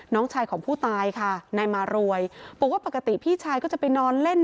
น้องชายของผู้ตายค่ะนายมารวยบอกว่าปกติพี่ชายก็จะไปนอนเล่น